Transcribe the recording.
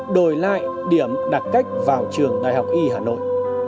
đổi lại điểm đặt cách vào trường đại học y hà nội